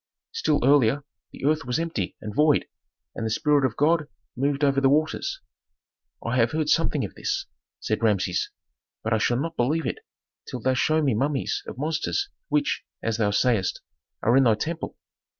"Still earlier the earth was empty and void, and the spirit of God moved over the waters." "I have heard something of this," said Rameses, "but I shall not believe it till thou show me mummies of monsters which, as thou sayst, are in thy temple."